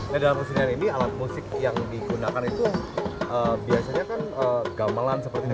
nah dalam kesenian ini alat musik yang digunakan itu biasanya kan gamelan seperti ini